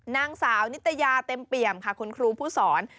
นางสาวนิตยาเต็มเปี่ยมค่ะคุณครูผู้สอน